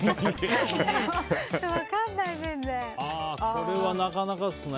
これはなかなかですね。